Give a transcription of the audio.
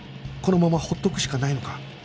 このままほっとくしかないのか？